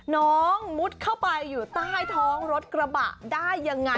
มุดเข้าไปอยู่ใต้ท้องรถกระบะได้ยังไง